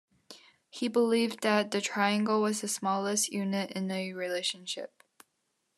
He believed that the triangle was the smallest unit in a relationship.